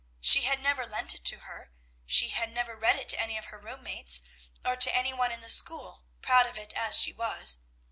She had never lent it to her; she had never read it to any of her room mates, or to any one in the school, proud of it as she was.